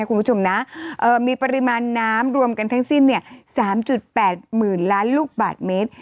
คุณผู้ชมนะมีปริมาณน้ำรวมกันทั้งสิ้น๓๘๐๐๐ล้านลูกบาทเมตร